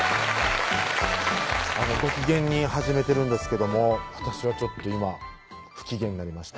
ご機嫌に始めてるんですけども私はちょっと今不機嫌になりました